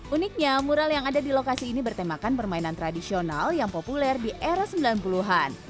uniknya mural yang ada di lokasi ini bertemakan permainan tradisional yang populer di era sembilan puluh an